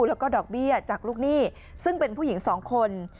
แล้วก็ดอกเบี้ยจากลูกหนี้ซึ่งเป็นผู้หญิง๒คน